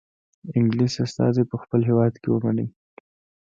انګلیس استازی په خپل هیواد کې ومنئ.